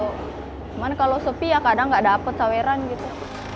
cuman kalo sepi ya kadang gak dapet saweran gitu